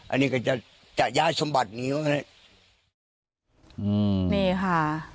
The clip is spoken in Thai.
อันนี้ก็จะจะย้ายสมบัตินี้ก็ได้อืมนี่ค่ะ